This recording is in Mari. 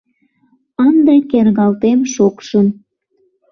Ынде кергалтем шокшым.